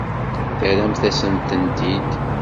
Terramt-asent-tent-id.